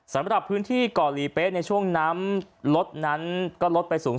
สำหรับพื้นที่เกาะหลีเป๊ะในช่วงน้ำลดนั้นก็ลดไปสูง